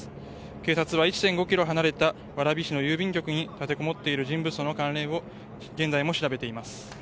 警察は１．５ｋｍ離れた蕨市の郵便局に立てこもっている人物との関連を現在も調べています。